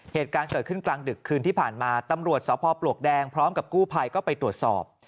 เหตุการณ์เกิดขึ้นกลางดึกคืนที่ผ่านมาตำรวจสพปลวกแดงพร้อมกับกู้ภัยก็ไปตรวจสอบ